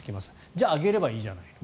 じゃあ上げればいいじゃないの。